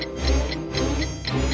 peri peri menangkap peri peri